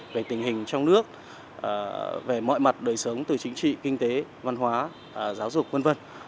về tình hình trong nước về mọi mặt đời sống từ chính trị kinh tế văn hóa giáo dục v v